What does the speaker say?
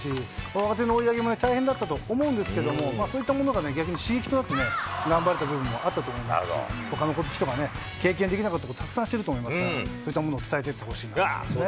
若手の追い上げも大変だったと思うんですけども、そういったものが逆に刺激となって頑張れた部分もあったと思いますし、ほかの人が経験できなかったこと、たくさんしてると思いますから、そういったものを伝えていってほしいなと思いますね。